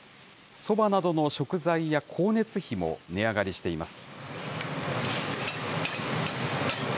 そばなどの食材や光熱費も値上がりしています。